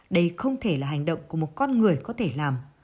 đây không thể là hành động của một con người có thể làm